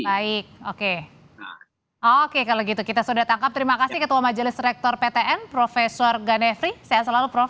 baik oke oke kalau gitu kita sudah tangkap terima kasih ketua majelis rektor ptn prof ganefri sehat selalu prof